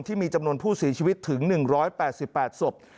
ที่มีจำนวนผู้เสียชีวิตถึง๑๘๘ศพ